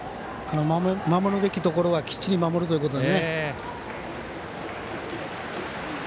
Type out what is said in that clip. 守るべきところがきっちり守るということでね。